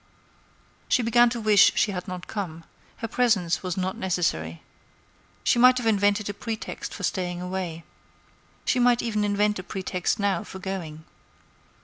She began to wish she had not come; her presence was not necessary. She might have invented a pretext for staying away; she might even invent a pretext now for going.